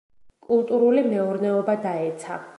კულტურული მეურნეობა დაეცა.